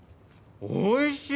おいしい！